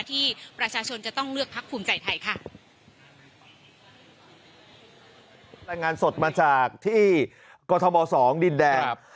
ที่ประชาชนจะต้องเลือกพักภูมิใจไทยค่ะ